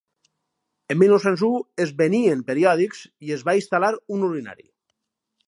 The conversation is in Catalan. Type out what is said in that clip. En mil nou-cents u es venien periòdics i es va instal·lar un urinari.